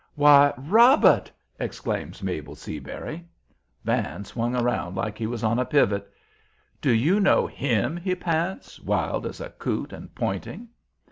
"Why, ROBERT!" exclaims Mabel Seabury. Van swung around like he was on a pivot. "Do you know HIM?" he pants, wild as a coot, and pointing.